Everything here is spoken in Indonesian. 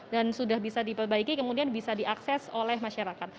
dan sudah bisa diperbaiki kemudian bisa diakses oleh masyarakat